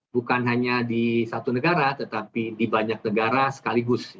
bukan hanya di satu negara tetapi di banyak negara sekaligus